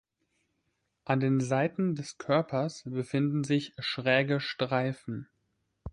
An den Seiten des Körpers befinden sich schräge Streifen.